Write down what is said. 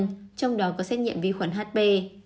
trong đó có xét nghiệm vi khuẩn hp